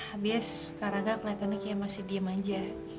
abis karangga keliatan kayak masih diem aja